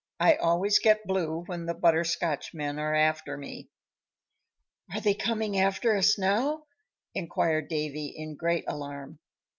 "I always get blue when the Butterscotchmen are after me." "Are they coming after us now?" inquired Davy, in great alarm.